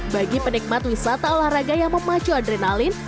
bagi penikmat wisata olahraga yang memacu adrenalin